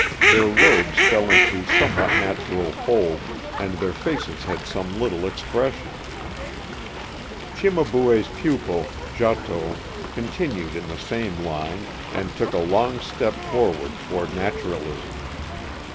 Their robes fell into somewhat natural folds, and their faces had some little expression. Cimabue's pupil, Giotto, continued in the same line, and took a long step for ward toward naturalism.